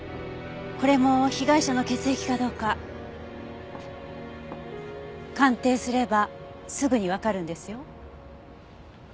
これも被害者の血液かどうか鑑定すればすぐにわかるんですよ。